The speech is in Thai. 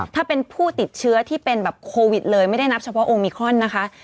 ถ้าเป็นผู้ติดเชื้อที่เป็นแบบโควิดเลยไม่ได้นับเฉพาะโอมิครอนนะคะ